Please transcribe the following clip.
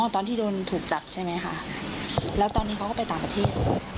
ตอนที่โดนถูกจับใช่ไหมคะแล้วตอนนี้เขาก็ไปต่างประเทศ